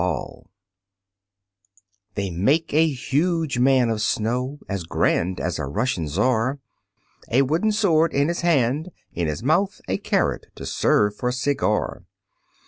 They make a huge man of snow, As grand as a Russian Czar, A wooden sword in his hand, in his mouth, A carrot to serve for cigar.